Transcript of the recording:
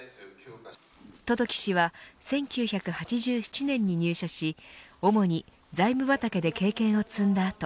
十時氏は１９８７年に入社し主に、財務畑で経験を積んだ後